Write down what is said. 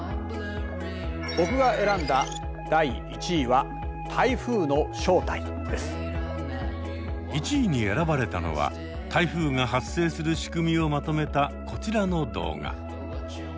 僕が選んだ第１位は１位に選ばれたのは台風が発生する仕組みをまとめたこちらの動画。